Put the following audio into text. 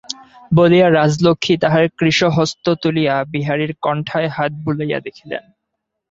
বলিয়া রাজলক্ষ্মী তাঁহার কৃশ হস্ত তুলিয়া বিহারীর কণ্ঠায় হাত বুলাইয়া দেখিলেন।